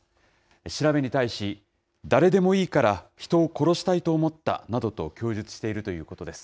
調べに対し、誰でもいいから人を殺したいと思ったなどと、供述しているということです。